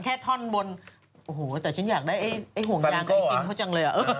ท่อนบนโอ้โหแต่ฉันอยากได้ไอ้ห่วงยางก็จริงเขาจังเลย